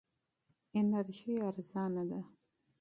انرژي ارزانه ده.